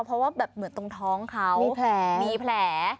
เพราะว่าแบบเหมือนตรงท้องเขามีแผล